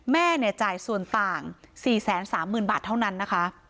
แม่จ่ายส่วนต่าง๔๓๐๐๐บาทเท่านั้นนะคะ